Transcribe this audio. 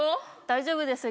大丈夫です